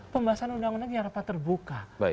pembahasan undang undang yang rapat terbuka